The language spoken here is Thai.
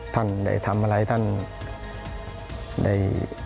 ท่านได้ทำอะไรท่านได้